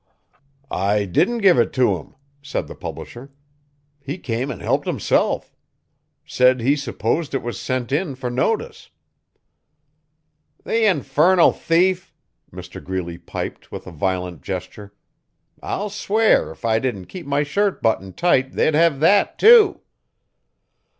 'I didn't give it to him,' said the publisher. 'He came and helped himself. Said he supposed it was sent in for notice. 'The infernal thief!' Mr Greeley piped with a violent gesture. 'I'll swear! if I didn't keep my shirt buttoned tight they'd have that, too.